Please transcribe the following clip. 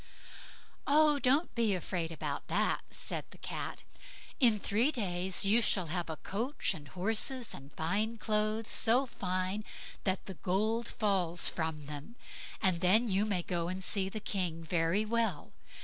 "Oh, don't be afraid about that", said the Cat; "in three days you shall have coach and horses, and fine clothes, so fine that the gold falls from them, and then you may go and see the king very well.